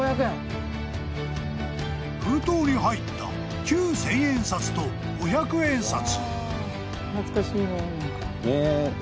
［封筒に入った旧千円札と五百円札］